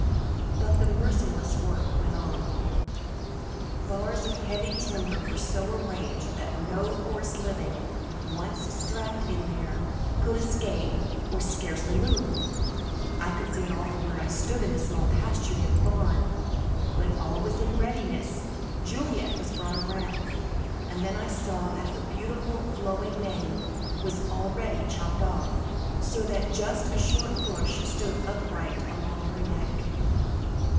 But the merciless work went on. Bars of heavy timber were so arranged that no horse living, when once strapped in there, could escape or scarcely move. I could see it all from where I stood in the small pasture near the barn. When all was in readiness, Juliet was brought around, and then I saw that her beautiful, flowing mane was already chopped off, so that just a short bush stood upright along her neck.